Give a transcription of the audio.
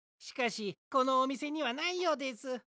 しかしこのおみせにはないようです。